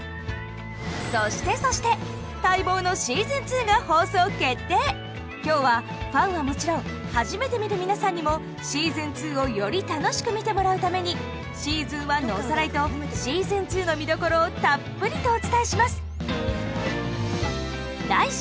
そしてそして待望の今日はファンはもちろん初めて見る皆さんにも「しずん２」をより楽しく見てもらうために「しずん１」のおさらいと「しずん２」の見どころをたっぷりとお伝えします！